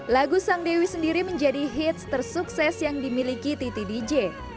lagu sang dewi sendiri menjadi hits tersukses yang dimiliki titi dj